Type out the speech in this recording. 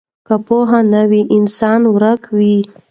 که پوهه نه وي انسان ورک وي.